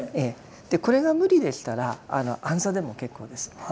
これが無理でしたら安座でも結構です。